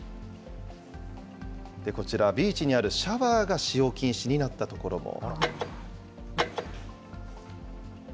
こちら、ビーチにあるシャワーが使用禁止になったところも。